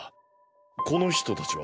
このひとたちは？